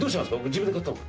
自分で買ったの？